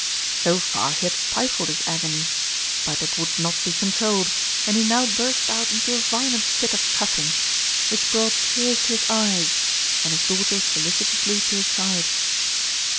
So far he had stifled his agony; but it would not be controlled, and he now burst out into a violent fit of coughing, which brought tears to his eyes and his daughter solicitously to his side.